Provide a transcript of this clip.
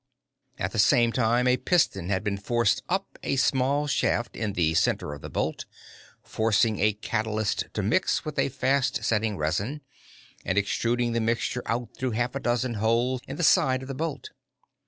At the same time, a piston had been forced up a small shaft in the center of the bolt, forcing a catalyst to mix with a fast setting resin, and extruding the mixture out through half a dozen holes in the side of the bolt.